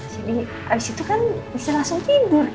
jadi abis itu kan bisa langsung tidur